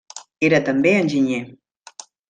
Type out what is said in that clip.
Era també enginyer.